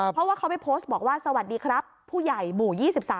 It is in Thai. เพราะว่าเขาไปโพสต์บอกว่าสวัสดีครับผู้ใหญ่หมู่๒๓